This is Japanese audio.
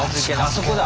あそこだ！